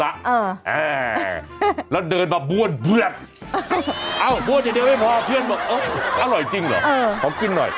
แล้วเราด้วยบัสบ่วนเอ่อบ่วนเดี๋ยวไม่พอเพื่อนมาอะเหรอของกินหน่อย